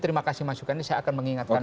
terima kasih mas yuka ini saya akan mengingatkan